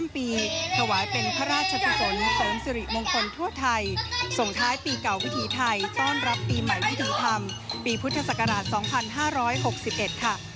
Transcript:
ปีพุทธศักราช๒๕๖๑ค่ะ